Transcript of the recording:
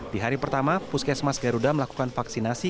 di hari pertama puskesmas garuda melakukan vaksinasi